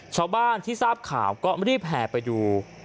ชาวบ้านที่ทราบข่าวก็รีบแห่ไปดู